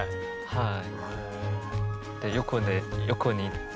はい。